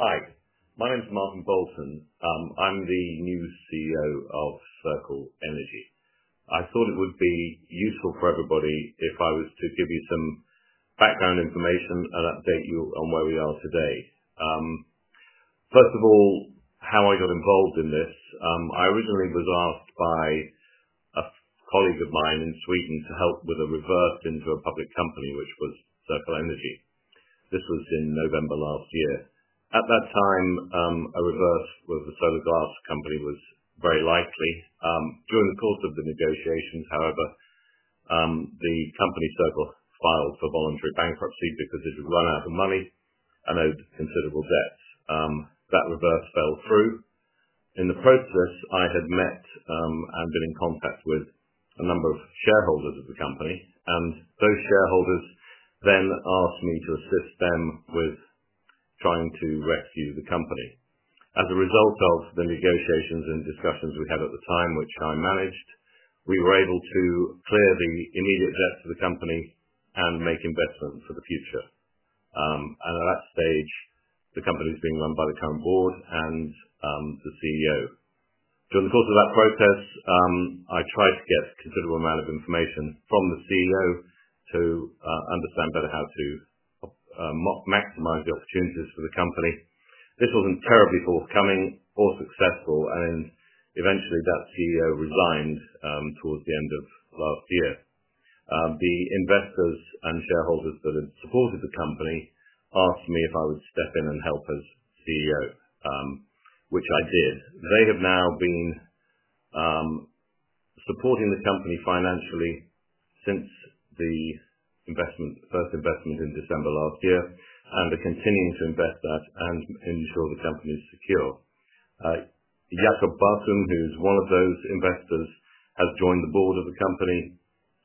Hi, my name's Martin Boulton. I'm the new CEO of Circle Energy. I thought it would be useful for everybody if I was to give you some background information and update you on where we are today. First of all, how I got involved in this: I originally was asked by a colleague of mine in Sweden to help with a reverse into a public company, which was Circle Energy. This was in November last year. At that time, a reverse with a solar glass company was very likely. During the course of the negotiations, however, the company, Circle, filed for voluntary bankruptcy because it had run out of money and owed considerable debts. That reverse fell through. In the process, I had met and been in contact with a number of shareholders of the company, and those shareholders then asked me to assist them with trying to rescue the company. As a result of the negotiations and discussions we had at the time, which I managed, we were able to clear the immediate debt to the company and make investment for the future. At that stage, the company is being run by the current board and the CEO. During the course of that process, I tried to get a considerable amount of information from the CEO to understand better how to maximize the opportunities for the company. This was not terribly forthcoming or successful, and eventually, that CEO resigned towards the end of last year. The investors and shareholders that had supported the company asked me if I would step in and help as CEO, which I did. They have now been supporting the company financially since the first investment in December last year and are continuing to invest that and ensure the company is secure. Jakob Barthon, who's one of those investors, has joined the board of the company.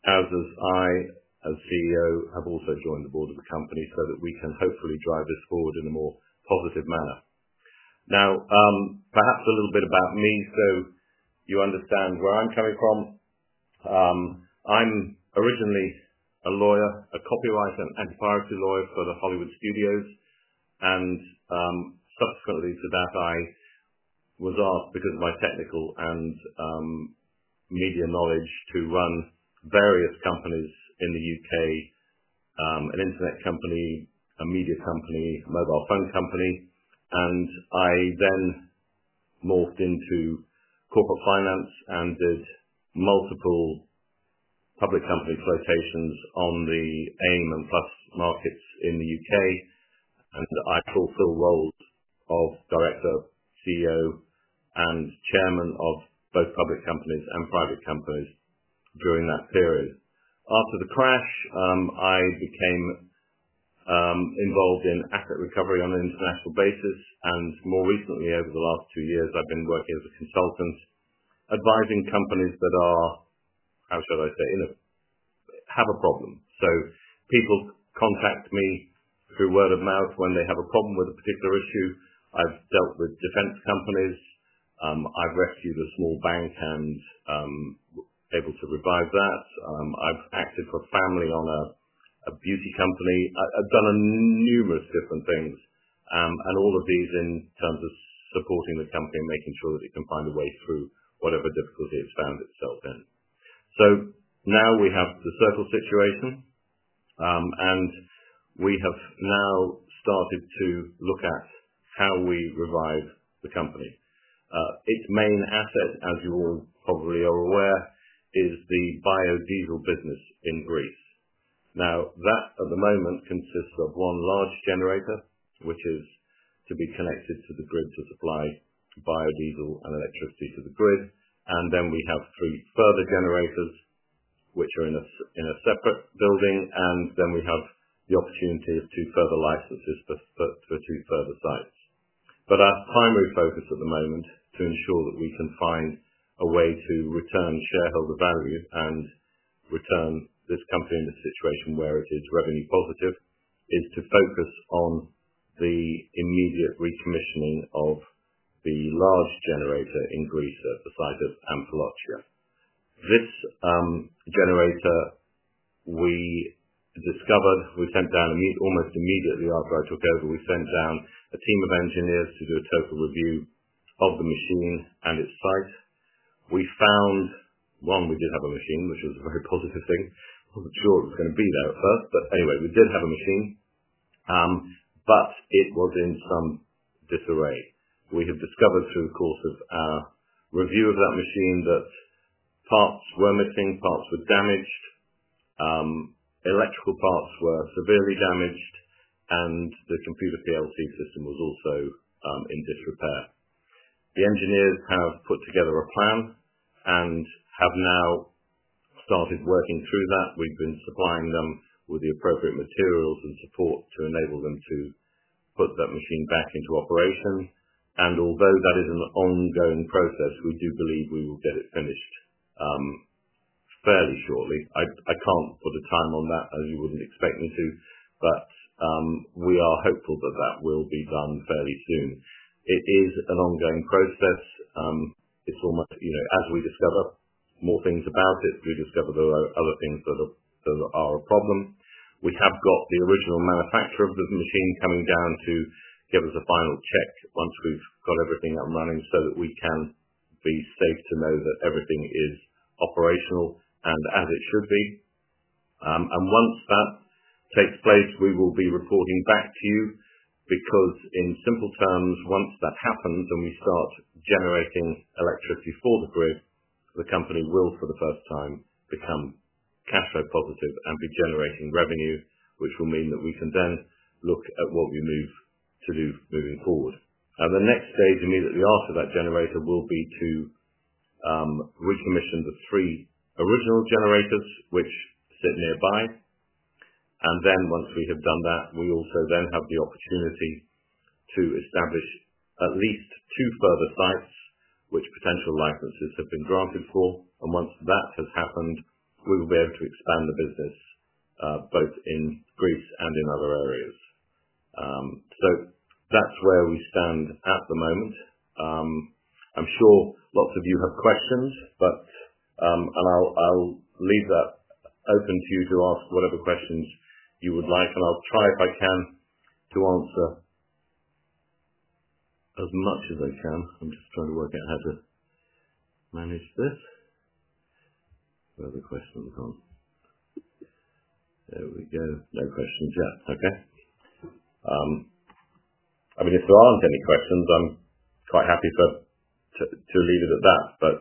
As I as CEO have also joined the board of the company so that we can hopefully drive this forward in a more positive manner. Now, perhaps a little bit about me so you understand where I'm coming from. I'm originally a lawyer, a copyright and antipiracy lawyer for the Hollywood Studios, and subsequently to that, I was asked, because of my technical and media knowledge, to run various companies in the U.K.: an internet company, a media company, a mobile phone company. I then morphed into corporate finance and did multiple public company flotations on the AIM and PLUS Markets in the U.K., and I fulfilled roles of Director, CEO, and Chairman of both public companies and private companies during that period. After the crash, I became involved in asset recovery on an international basis, and more recently, over the last two years, I've been working as a consultant advising companies that are, how shall I say, have a problem. People contact me through word of mouth when they have a problem with a particular issue. I've dealt with defense companies. I've rescued a small bank and been able to revive that. I've acted for family on a beauty company. I've done numerous different things, and all of these in terms of supporting the company and making sure that it can find a way through whatever difficulty it's found itself in. Now we have the Circle situation, and we have now started to look at how we revive the company. Its main asset, as you all probably are aware, is the biodiesel business in Greece. That at the moment consists of one large generator, which is to be connected to the grid to supply biodiesel and electricity to the grid. We have three further generators, which are in a separate building, and then we have the opportunity of two further licenses for two further sites. Our primary focus at the moment is to ensure that we can find a way to return shareholder value and return this company in a situation where it is revenue positive, is to focus on the immediate recommissioning of the large generator in Greece at the site of Amfilochia. This generator we discovered, we sent down almost immediately after I took over. We sent down a team of engineers to do a total review of the machine and its site. We found, one, we did have a machine, which was a very positive thing. I wasn't sure it was going to be there at first, but anyway, we did have a machine, but it was in some disarray. We have discovered through the course of our review of that machine that parts were missing, parts were damaged, electrical parts were severely damaged, and the computer PLC system was also in disrepair. The engineers have put together a plan and have now started working through that. We have been supplying them with the appropriate materials and support to enable them to put that machine back into operation. Although that is an ongoing process, we do believe we will get it finished fairly shortly. I cannot put a time on that, as you would not expect me to, but we are hopeful that that will be done fairly soon. It is an ongoing process. It is almost, as we discover more things about it, we discover there are other things that are a problem. We have got the original manufacturer of the machine coming down to give us a final check once we've got everything up and running so that we can be safe to know that everything is operational and as it should be. Once that takes place, we will be reporting back to you because, in simple terms, once that happens and we start generating electricity for the grid, the company will, for the first time, become cash flow positive and be generating revenue, which will mean that we can then look at what we move to do moving forward. The next stage immediately after that generator will be to recommission the three original generators, which sit nearby. Once we have done that, we also then have the opportunity to establish at least two further sites, which potential licenses have been granted for. Once that has happened, we will be able to expand the business both in Greece and in other areas. That is where we stand at the moment. I'm sure lots of you have questions, and I'll leave that open to you to ask whatever questions you would like, and I'll try if I can to answer as much as I can. I'm just trying to work out how to manage this. Where have the questions gone? There we go. No questions yet. Okay. I mean, if there aren't any questions, I'm quite happy to leave it at that, but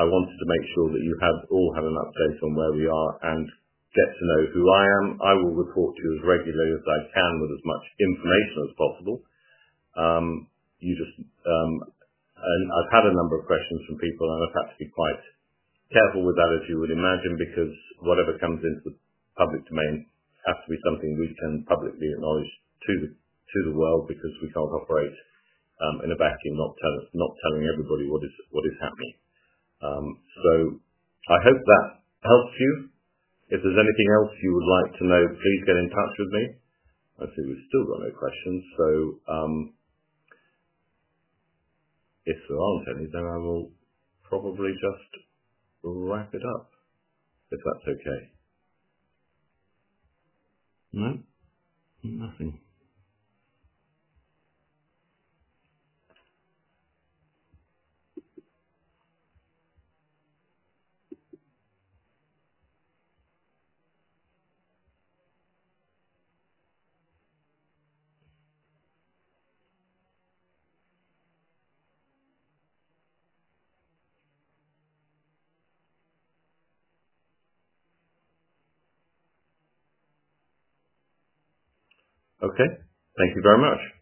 I wanted to make sure that you all had an update on where we are and get to know who I am. I will report to you as regularly as I can with as much information as possible. I've had a number of questions from people, and I've had to be quite careful with that, as you would imagine, because whatever comes into the public domain has to be something we can publicly acknowledge to the world because we can't operate in a vacuum not telling everybody what is happening. I hope that helps you. If there's anything else you would like to know, please get in touch with me. I see we've still got no questions. If there aren't any, I will probably just wrap it up, if that's okay. No, nothing. Okay. Thank you very much.